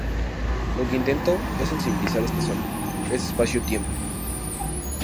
Lo que intento es sensibilizar esta zona, este espacio-tiempo.